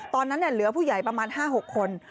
ตอนนั้นเหลือผู้ใหญ่ประมาณ๕๖คน